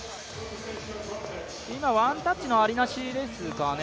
今、ワンタッチのあり・なしですかね。